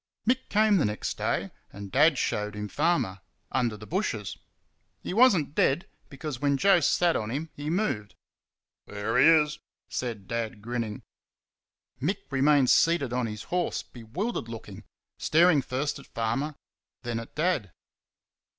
Mick came the next day, and Dad showed him Farmer, under the bushes. He was n't dead, because when Joe sat on him he moved. "There he is," said Dad, grinning. Mick remained seated on his horse, bewildered looking, staring first at Farmer, then at Dad.